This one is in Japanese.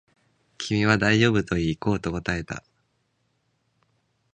君は大丈夫と言い、行こうと答えた